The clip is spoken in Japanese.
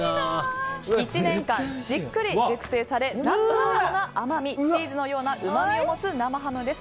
１年間じっくり熟成されナッツのような甘みチーズのようなうまみを持つ生ハムです。